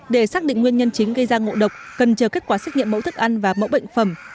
để xác định nguyên nhân chính gây ra ngộ độc cần chờ kết quả xét nghiệm mẫu thức ăn và mẫu bệnh phẩm